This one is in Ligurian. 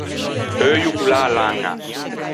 Euio ch’o l’à a laña.